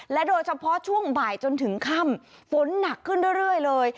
โดยเฉพาะช่วงบ่ายจนถึงค่ำฝนหนักขึ้นเรื่อยเลย